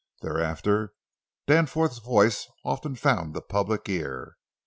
Thereafter, Danforth's voice often found the public ear.